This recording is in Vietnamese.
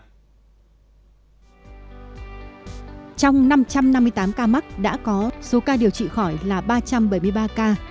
trong năm trăm năm mươi tám ca mắc đã có số ca điều trị khỏi là ba trăm bảy mươi ba ca